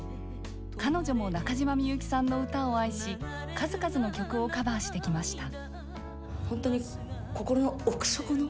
彼女も中島みゆきさんの歌を愛し数々の曲をカバーしてきました。